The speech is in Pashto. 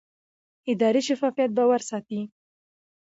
اداري شفافیت باور ساتي